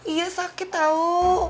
iya sakit tau